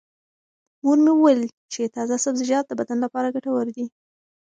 مور مې وویل چې تازه سبزیجات د بدن لپاره ګټور دي.